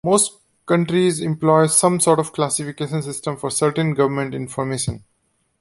Most countries employ some sort of classification system for certain government information.